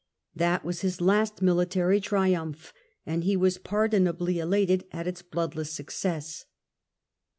That was his last military triumph, and he was pardonably elated at its bloodless success.